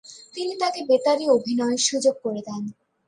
তিনি তাকে বেতারে অভিনয়ের সুযোগ করে দেন।